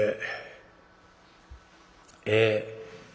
ええ」。